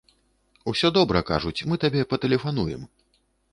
Усё добра, кажуць, мы табе патэлефануем.